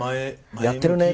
「やってるね！」